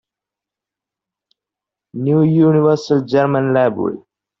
New Universal German Library